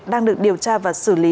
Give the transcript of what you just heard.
đang được điều tra và xử lý